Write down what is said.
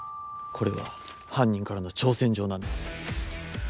これは犯人からの挑戦状なんだ。